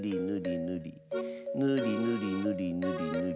ぬりぬりぬりぬりぬりぬり